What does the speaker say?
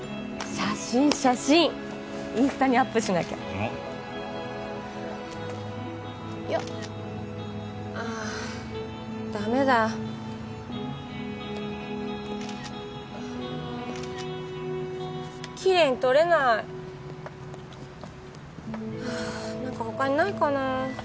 写真写真インスタにアップしなきゃおっよっああダメだああキレイに撮れないはあ何か他にないかな？